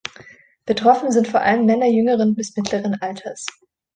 Betroffen sind vor allem Männer jüngeren bis mittleren Alters.